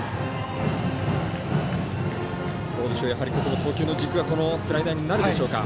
ここは投球の軸はスライダーになるでしょうか。